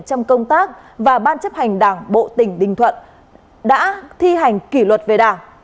trong công tác và ban chấp hành đảng bộ tỉnh bình thuận đã thi hành kỷ luật về đảng